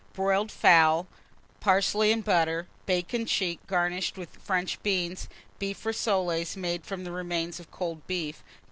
Boiled fowls, parsley and butter; bacon check, garnished with French beans; beef rissoles, made from remains of cold beef.